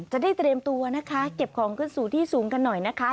จะได้เตรียมตัวนะคะเก็บของขึ้นสู่ที่สูงกันหน่อยนะคะ